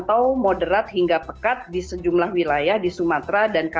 asap terpantau moderat hingga pekat di sejumlah wilayah di sumatera dan jepang